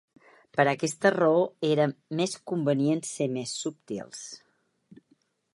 Per aquesta raó era ‘més convenient ser més subtils’.